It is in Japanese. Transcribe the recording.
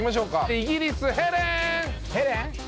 イギリスヘレン！